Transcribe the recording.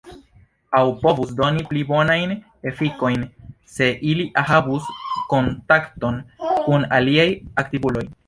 Aŭ povus doni pli bonajn efikojn, se ili havus kontakton kun aliaj aktivuloj.